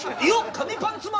紙パンツ丸！